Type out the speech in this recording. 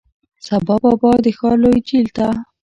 سبا بابا د ښار لوی جیل ته،